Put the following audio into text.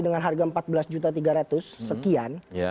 dengan harga rp empat belas tiga ratus sekian